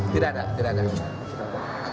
tidak ada tidak ada